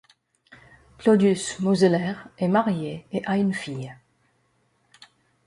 Claudius Moseler est marié et a une fille.